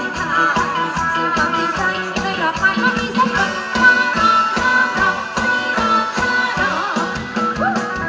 มารับมารับมารับมารับ